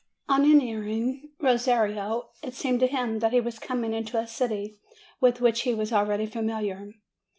On enter ing Rosario, it seemed to him that he was coming into a city with which he was already familiar.